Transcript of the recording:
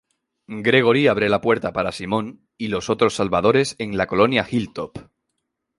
Gregory abre la puerta para Simon y los otros salvadores en la colonia Hilltop.